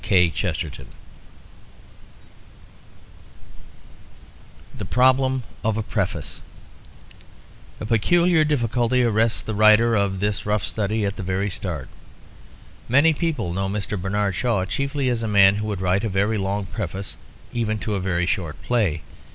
G. K. C. The Problem of a Preface A peculiar difficulty arrests the writer of this rough study at the very start. Many people know Mr. Bernard Shaw chiefly as a man who would write a very long preface even to a very short play.